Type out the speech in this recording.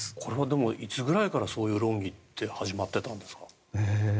でも、いつぐらいからそういう論議って始まってたんですか？